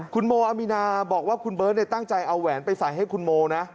คุณโมอามีนาบอกว่าคุณเบิร์ตตั้งใจเอาแหวนไปใส่ให้คุณโมนะ